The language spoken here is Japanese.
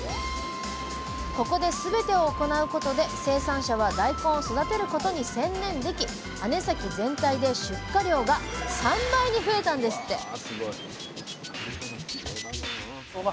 ここですべてを行うことで生産者は大根を育てることに専念でき姉崎全体で出荷量が３倍に増えたんですって！